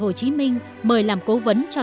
hồ chí minh mời làm cố vấn cho